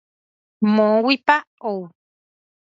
Moõguipa ou.